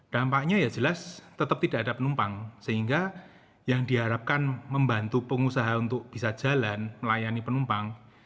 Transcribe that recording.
dampaknya ya jelas tetap tidak ada penumpang sehingga yang diharapkan membantu pengusaha untuk bisa jalan melayani penumpang